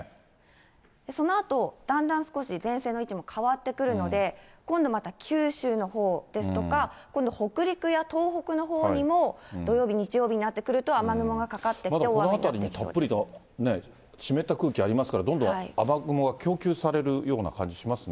そのあと、だんだん少し前線の位置も変わってくるので、今度また九州のほうですとか、北陸や東北のほうにも土曜日、日曜日になってくると、まだこの辺りもたっぷりと湿った空気ありますから、どんどん雨雲が供給されるような感じしますね。